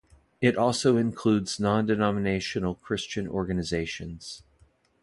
It also includes non-denominational Christian organizations.